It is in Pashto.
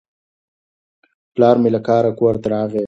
پلار مې له کاره کور ته راغی.